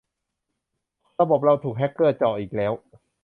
ระบบเราถูกแฮกเกอร์เจาะอีกแล้ว